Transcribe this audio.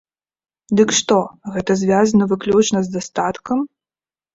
Дык што, гэта звязана выключна з дастаткам?